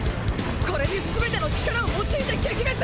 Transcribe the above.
これにすべての力を用いて撃滅！！